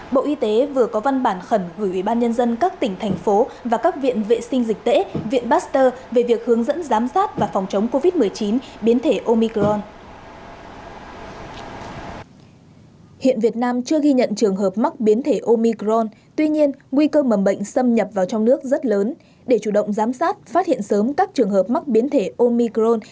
bộ y tế vừa có văn bản khẩn gửi ubnd các tỉnh thành phố và các viện vệ sinh dịch tễ viện pasteur về việc hướng dẫn giám sát và phòng chống covid một mươi chín biến thể omicron